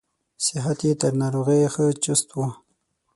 صحت یې تر ناروغۍ ښه چست و.